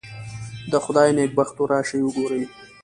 د خدای نېکبختو راشئ وګورئ.